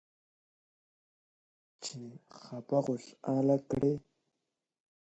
چې خپه خوشحاله کړو.